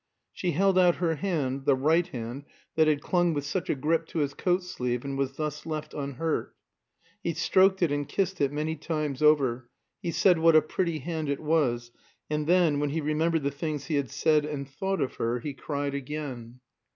She held out her hand, the right hand that had clung with such a grip to his coat sleeve and was thus left unhurt. He stroked it and kissed it many times over, he said what a pretty hand it was; and then, when he remembered the things he had said and thought of her, he cried again.